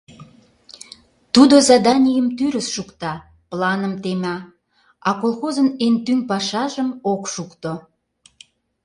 Тудо заданийым тӱрыс шукта, планым тема, а колхозын эн тӱҥ пашажым ок шукто.